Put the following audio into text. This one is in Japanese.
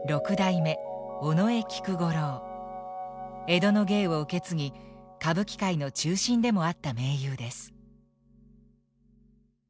江戸の芸を受け継ぎ歌舞伎界の中心でもあった名優です。